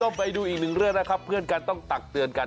ไปดูอีกหนึ่งเรื่องนะครับเพื่อนกันต้องตักเตือนกัน